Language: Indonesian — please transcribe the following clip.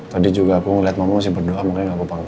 tadi juga aku liat mbak mbak masih berdoa makanya gak aku panggil